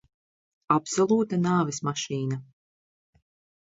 Absolūta nāves mašīna.